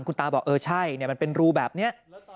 คุณตาบอกเออใช่มันเป็นรูแบบนี้